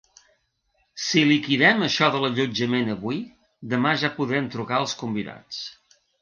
Si liquidem això de l'allotjament avui, demà ja podrem trucar als convidats.